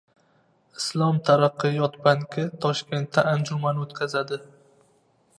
Islom taraqqiyot banki Toshkentda anjuman o‘tkazadi